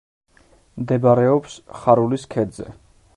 მდებარეობს ხარულის ქედზე.